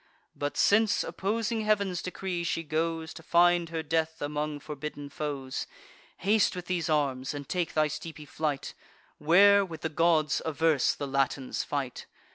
But since, opposing Heav'n's decree, she goes To find her death among forbidden foes, Haste with these arms, and take thy steepy flight. Where, with the gods, averse, the Latins fight.